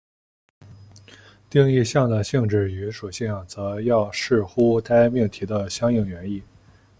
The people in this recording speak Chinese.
定义项的性质与属性则要视乎该命题的相应原意。